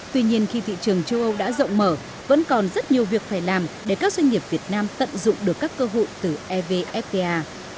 tuy nhiên khi thị trường châu âu đã rộng mở vẫn còn rất nhiều việc phải làm để các doanh nghiệp việt nam tận dụng được các cơ hội từ evfta